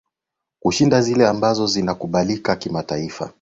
kushinda zile ambazo zinakubalika kimataifa